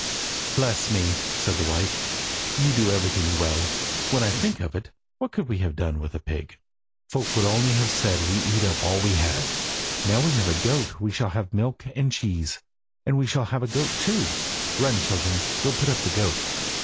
"Bless me," said the wife, "you do everything well! When I think of it, what could we have done with a pig? Folk would only have said we eat up all we had. Now we have a goat we shall have milk and cheese, and we shall have the goat too. Run, children, and put up the goat."